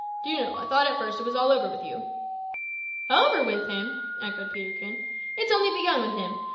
D'you know, I thought at first it was all over with you?" "Over with him!" echoed Peterkin; "it's only begun with him.